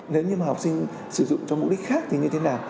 nếu như mà học sinh sử dụng cho mục đích khác thì như thế nào